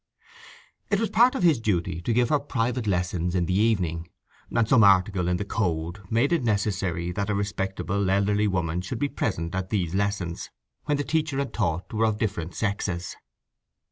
It was part of his duty to give her private lessons in the evening, and some article in the Code made it necessary that a respectable, elderly woman should be present at these lessons when the teacher and the taught were of different sexes.